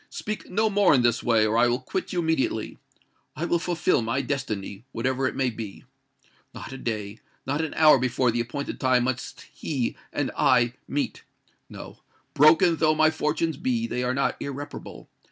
Speak no more in this way—or I will quit you immediately. I will fulfil my destiny—whatever it may be. Not a day—not an hour before the appointed time must he and I meet! No—broken though my fortunes be, they are not irreparable.